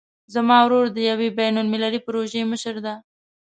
زما ورور د یوې بین المللي پروژې مشر ده